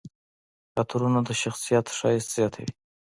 عطرونه د شخصیت ښایست زیاتوي.